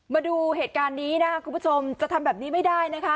มาดูเหตุการณ์นี้นะครับคุณผู้ชมจะทำแบบนี้ไม่ได้นะคะ